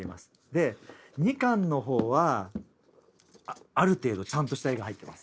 で２巻の方はある程度ちゃんとした絵が入ってます。